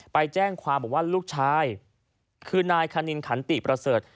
ไปแจ้งความบอกว่าลูกชายคือนายคณินขันติประเสริฐ